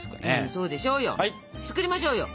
そうでしょうよ。作りましょうよ。